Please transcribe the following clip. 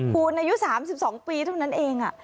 ปูนอายุ๓๒ปีเท่านั้นเอง